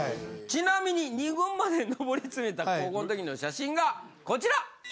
ちなみに２軍までのぼりつめた高校んときの写真がこちら！